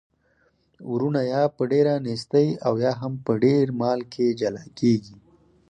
وروڼه یا په ډیره نیستۍ او یا هم په ډیر مال کي جلا کیږي.